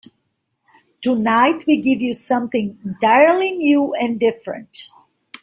Tonight we give you something entirely new and different.